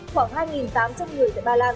khoảng hai tám trăm linh người tại ba lan